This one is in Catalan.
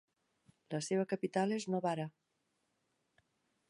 La seva capital és Novara.